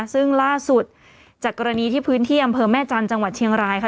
ซึ่งล่าสุดจากกรณีที่พื้นที่อำเภอแม่จันทร์จังหวัดเชียงรายค่ะ